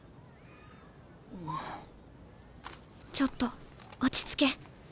ちょっと落ち着け。